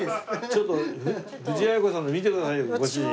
ちょっと藤あや子さんの見てくださいよご主人。